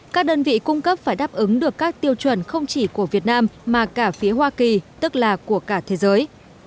các đơn vị cung cấp phải đáp ứng được các tiêu chuẩn không chỉ của việt nam mà cả phía hoa kỳ tức là của cả thế giới